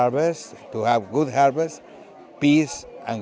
và tôi làm cho họ một bài học